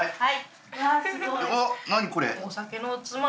はい。